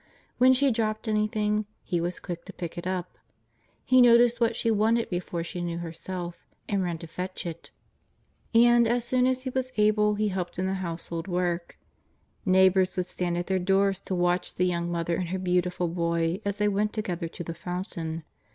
When she dropped anything, He was quick to pick it up. He noticed what she wanted before she knew herself, and ran to fetch it; and as soon as He was able He helped in the household work. ISTeighbours would stand at their doors to watch the young mother and her beautiful Boy as they went together to the fountain.